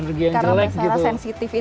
karena sarah sensitif itu tadi ya